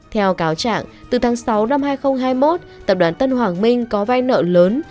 theo cáo trạng từ tháng sáu năm hai nghìn hai mươi một tập đoàn tân hoàng minh có vai nợ lớn